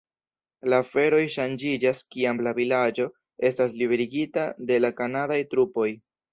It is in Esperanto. La aferoj ŝanĝiĝas kiam la vilaĝo estas liberigita de la kanadaj trupoj.